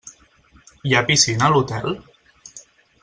Hi ha piscina a l'hotel?